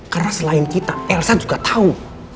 karena selain kita elsa juga tahu